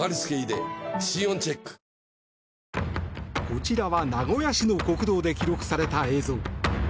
こちらは名古屋市の国道で記録された映像。